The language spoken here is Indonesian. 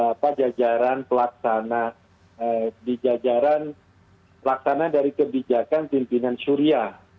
apa jajaran pelaksana di jajaran pelaksana dari kebijakan pimpinan syria